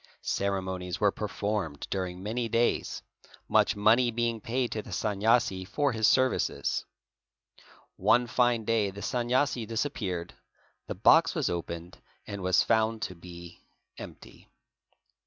Ceremonies were performed during many days, much money being paid to the Sanyasi for his services. One fine day the Sanyasi disappeared, the box was opened and was found to be empty.